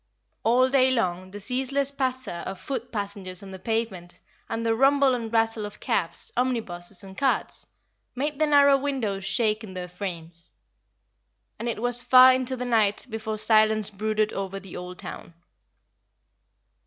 All day long the ceaseless patter of foot passengers on the pavement, and the rumble and rattle of cabs, omnibuses, and carts, made the narrow windows shake in their frames. And it was far into the night before silence brooded over the old town.